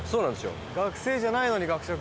学生じゃないのに学食。